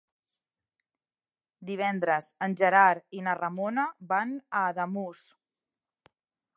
Divendres en Gerard i na Ramona van a Ademús.